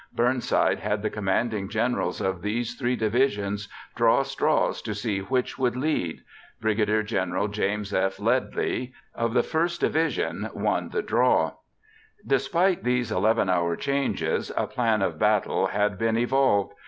Burnside had the commanding generals of these three divisions draw straws to see which would lead. Brig. Gen. James F. Ledlie of the 1st Division won the draw. Despite these 11th hour changes, a plan of battle had been evolved.